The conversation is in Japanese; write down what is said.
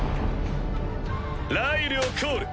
ライルをコール！